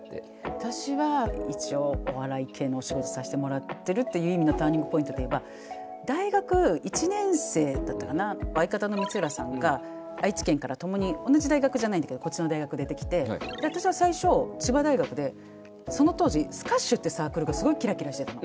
私は一応お笑い系のお仕事させてもらってるっていう意味のターニングポイントで言えば相方の光浦さんが愛知県から共に同じ大学じゃないんだけどこっちの大学出てきて私は最初千葉大学でその当時スカッシュかっこいいと。